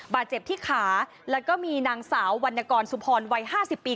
บาดเจ็บที่ขาแล้วก็มีนางสาววรรณกรสุพรวัย๕๐ปี